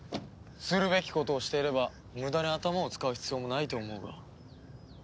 するべきことをしていれば無駄に頭を使う必要もないと思うが。